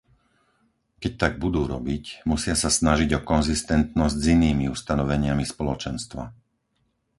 Keď tak budú robiť, musia sa snažiť o konzistentnosť s inými ustanoveniami Spoločenstva.